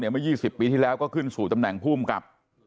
เมื่อ๒๐ปีที่แล้วก็ขึ้นสู่ตำแหน่งภูมิกับ